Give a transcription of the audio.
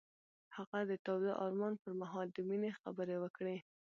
هغه د تاوده آرمان پر مهال د مینې خبرې وکړې.